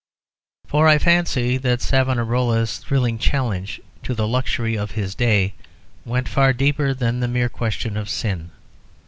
For I fancy that Savonarola's thrilling challenge to the luxury of his day went far deeper than the mere question of sin.